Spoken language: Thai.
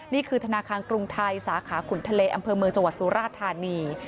นี่คือธนาคารกรุงไทยสาขาขุนทะเลอำเภอเมืองจังหวัดสุราธานี